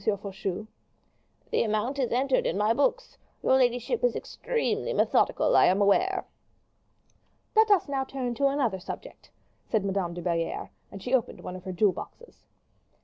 Faucheux?" "The amount is entered in my books. Your ladyship is extremely methodical, I am aware." "Let us now turn to another subject," said Madame de Belliere; and she opened one of her jewel boxes.